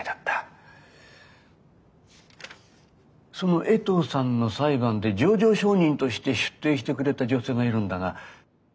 その衛藤さんの裁判で情状証人として出廷してくれた女性がいるんだが。